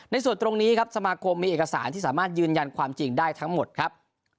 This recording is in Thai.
ในส่วนตรงนี้ครับสมาคมมีเอกสารที่สามารถยืนยันความจริงได้ทั้งหมดครับ